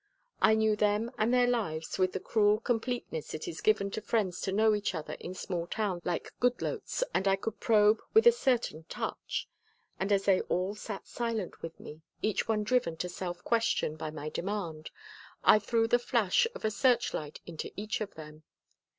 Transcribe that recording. I knew them and their lives with the cruel completeness it is given to friends to know each other in small towns like Goodloets and I could probe with a certain touch. And as they all sat silent with me, each one driven to self question by my demand, I threw the flash of a searchlight into each of them.